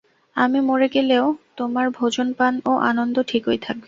আমি মরে গেলেও তোমার ভোজন পান ও আনন্দ ঠিকই থাকে।